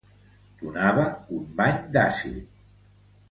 Donava un bany d'àcid.